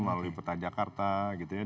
melalui peta jakarta gitu ya